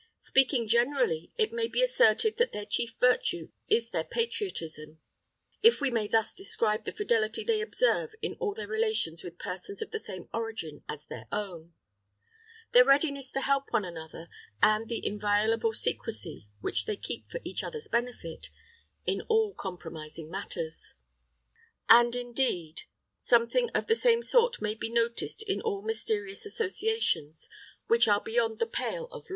Speaking generally, it may be asserted that their chief virtue is their patriotism if we may thus describe the fidelity they observe in all their relations with persons of the same origin as their own, their readiness to help one another, and the inviolable secrecy which they keep for each other's benefit, in all compromising matters. And indeed something of the same sort may be noticed in all mysterious associations which are beyond the pale of the law.